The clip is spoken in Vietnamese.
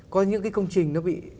có những cái công trình nó bị